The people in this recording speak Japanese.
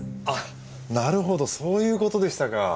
あっなるほどそういうことでしたか。